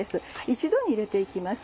一度に入れて行きます。